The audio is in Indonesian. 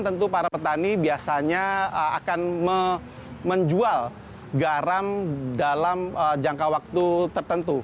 tentu para petani biasanya akan menjual garam dalam jangka waktu tertentu